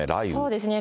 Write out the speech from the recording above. そうですね。